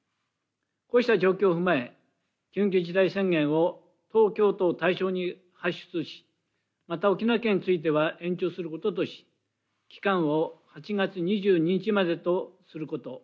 こうした状況を踏まえ緊急事態宣言を東京都を対象に発出しまた沖縄県に対しては延長することと、期間を８月２２日までとすること。